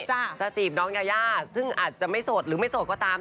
จะจีบน้องยายาซึ่งอาจจะไม่โสดหรือไม่โสดก็ตาม